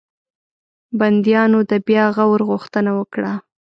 بنديانو د بیا غور غوښتنه وکړه.